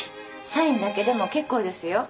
サインだけでも結構ですよ。